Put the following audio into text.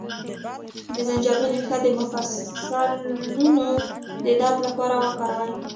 د زنجبیل ریښه د مفصلونو د درد لپاره وکاروئ